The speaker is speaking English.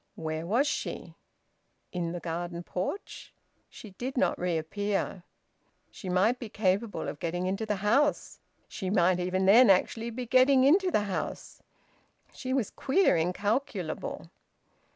Where was she? In the garden porch? She did not reappear. She might be capable of getting into the house! She might even then actually be getting into the house! She was queer, incalculable.